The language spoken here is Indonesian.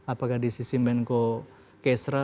apakah di sisi menko kesra